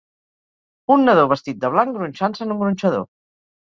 Un nadó vestit de blanc gronxant-se en un gronxador.